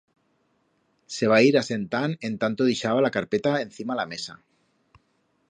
Se va ir asentand en tanto dixaba la carpeta encima la mesa.